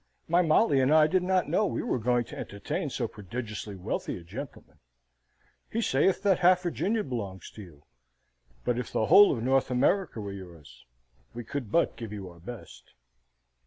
My Molly and I did not know we were going to entertain so prodigiously wealthy a gentleman. He saith that half Virginia belongs to you; but if the whole of North America were yours, we could but give you our best."